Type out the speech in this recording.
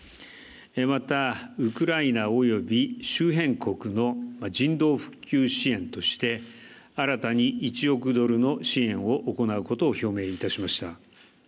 また、ウクライナ及び周辺国の人道復旧支援として新たに１億ドルの支援を行うことを表明いたしました。